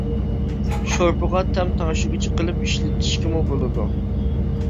شورپىغا تەم تەڭشىگۈچ قىلىپ ئىشلىتىشكىمۇ بولىدۇ.